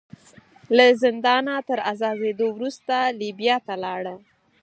له زندانه تر ازادېدو وروسته لیبیا ته لاړ.